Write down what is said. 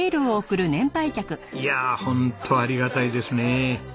いやホントありがたいですね。